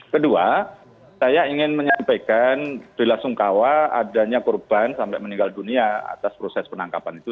kedua saya ingin menyampaikan bela sungkawa adanya korban sampai meninggal dunia atas proses penangkapan itu